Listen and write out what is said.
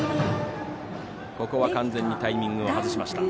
ここは完全にタイミングを外しました。